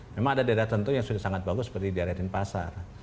memang ada diadakan tertentu yang sudah sangat bagus seperti diaretin pasar